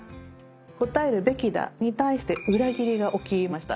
「答えるべきだ」に対して裏切りがおきました。